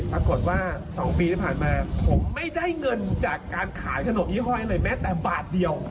ปรากฏว่า๒ปีที่ผ่านมาผมไม่ได้เงินจากการขายขนมยี่ห้อยเลยแม้แต่บาทเดียว